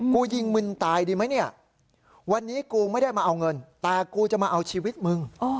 กูยิงมึงตายดีไหมเนี่ยวันนี้กูไม่ได้มาเอาเงินแต่กูจะมาเอาชีวิตมึง